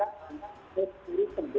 jangan kan sendiri sendiri